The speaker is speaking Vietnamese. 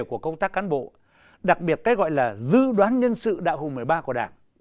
của công tác cán bộ đặc biệt cái gọi là dư đoán nhân sự đạo hùng một mươi ba của đảng